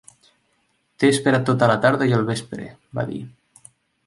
"T'he esperat tota la tarda i el vespre", va dir.